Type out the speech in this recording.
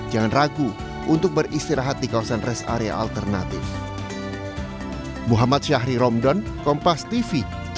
jangan ragu untuk beristirahat di kawasan rest area alternatif